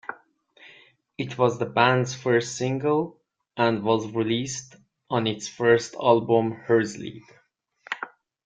It was the band's first single and was released on its first album, "Herzeleid".